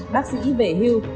bác sĩ về hưu